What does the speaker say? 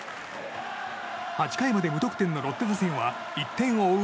８回まで無得点のロッテ打線は１点を追う